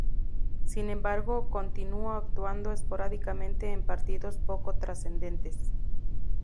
Sin embargo continuó actuando esporádicamente en partidos poco trascendentes.